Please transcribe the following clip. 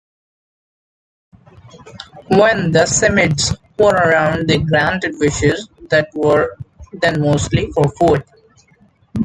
When the Psammeads were around they granted wishes that were then mostly for food.